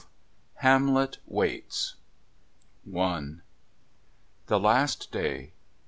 HAMLET WAITS I The last day!